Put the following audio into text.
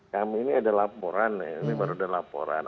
kami ini ada laporan ya ini baru ada laporan